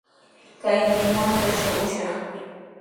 Kay limunta shuqushaq.